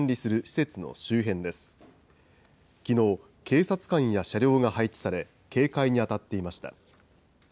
きのう、警察官や車両が配置され、警戒に当たっていました。